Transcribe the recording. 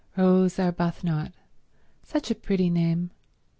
Rose Arbuthnot. Such a pretty name.